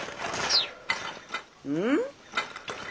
うん？